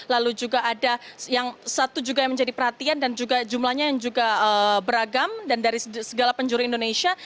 lalu juga ada yang satu juga yang menjadi perhatian dan juga jumlahnya yang juga beragam dan dari segala penjuru indonesia